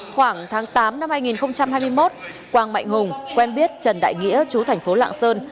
khoảng tháng tám năm hai nghìn hai mươi một quang mạnh hùng quen biết trần đại nghĩa chú thành phố lạng sơn